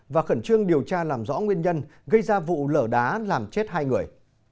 và khẩn trương điều tra làm rõ nguyên nhân gây ra vụ lở đá làm chết hai người